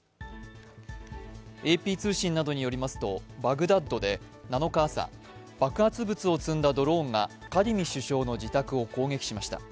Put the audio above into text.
ＡＰ通信などによりますと、バグダッドで７日朝、爆発物を積んだドローンがカディミ首相の自宅を攻撃しました。